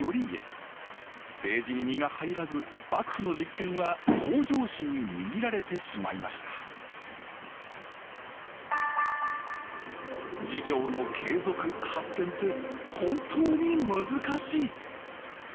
政治に身が入らず幕府の実権は北条氏に握られてしまいました事業の継続・発展って本当に難しい！